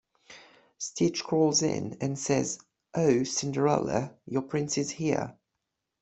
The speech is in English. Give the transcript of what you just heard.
Stitch crawls in and says, Oh Cinderella, your prince is here.